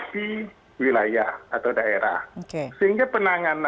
sangat banyak orang tua ini sudah benar benar anak sama